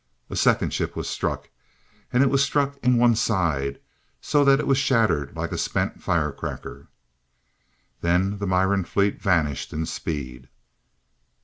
A second ship was struck, and it was struck on one side, so that it was shattered like a spent firecracker. Then the Miran fleet vanished in speed.